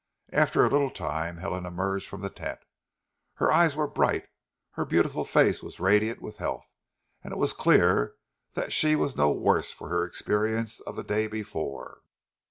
After a little time Helen emerged from the tent. Her eyes were bright, her beautiful face was radiant with health, and it was clear that she was no worse for her experience of the day before.